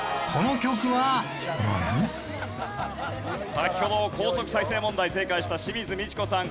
先ほど高速再生問題正解した清水ミチコさん